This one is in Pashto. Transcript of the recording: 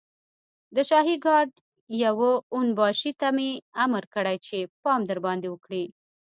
د شاهي ګارډ يوه اون باشي ته مې امر کړی چې پام درباندې وکړي.